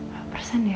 berapa persen ya